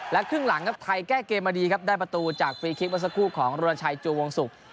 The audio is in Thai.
และครึ่งหลังไทยแก้เกมมาดีได้ประตูจากฟรีคิกมาสักครู่ของรุนชัยจูวงศุกร์